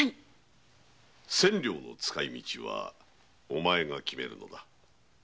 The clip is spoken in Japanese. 千両の遣いみちはお前が決めるのだ。